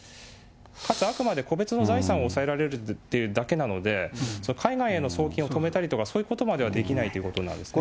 かつ、あくまで個別の財産を押さえられるっていうだけなので、海外への送金を止めたりとか、そういうことまではできないということなんですね。